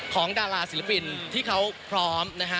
ของดาราศิลปินที่เขาพร้อม